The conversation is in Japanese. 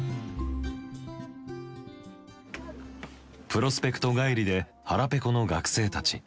プロスペクト帰りで腹ペコの学生たち。